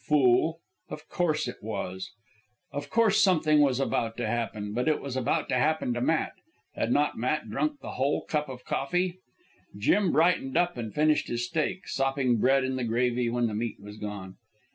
Fool! Of course it was. Of course something was about to happen, but it was about to happen to Matt. Had not Matt drunk the whole cup of coffee? Jim brightened up and finished his steak, sopping bread in the gravy when the meat was gone.